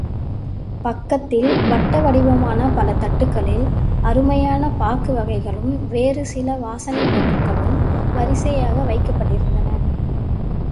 பக்கத்தில் வட்ட வடிவமான பல தட்டுக்களில் அருமையான பாக்கு வகைகளும் வேறு சில வாசனைப் பொருள்களும் வரிசையாக வைக்கப்பட்டிருந்தன.